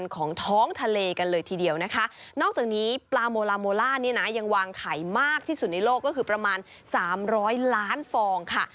ของ๓๐๐ล้านฟองค่ะ